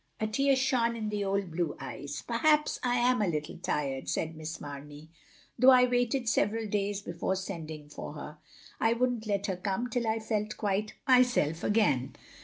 A tear shone in the old blue eyes. " Perhaps I am a little tired, " said Miss Mamey, "though I waited several days before sending for her. I would n't let her come till I felt quite myself again."